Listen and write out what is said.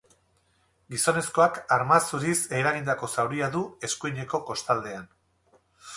Gizonezkoak arma zuriz eragindako zauria du eskuineko kostaldean.